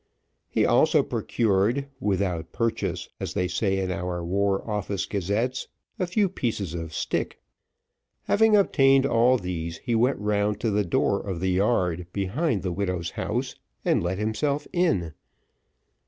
He also procured, "without purchase," as they say in our War Office Gazettes, a few pieces of stick. Having obtained all these, he went round to the door of the yard behind the widow's house, and let himself in.